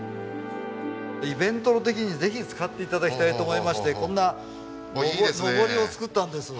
イベントの時にぜひ使って頂きたいと思いましてこんなのぼりを作ったんです。